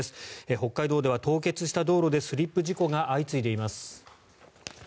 北海道では凍結した道路でスリップ事故が相次いでいます。